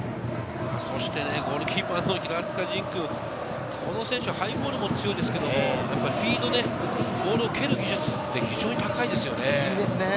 そしてゴールキーパーの平塚仁君、この選手、ハイボールも強いですけど、フィードね、ボールを蹴る技術って非常に高いですよね。